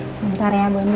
sebentar ya bu andi